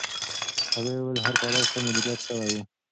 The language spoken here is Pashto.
هغې وویل هر پړاو ښه مدیریت شوی و.